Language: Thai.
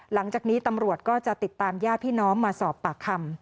หลังจากนี้ตำรวจก็จะติดตามญาติพี่น้องมาสอบปากคำ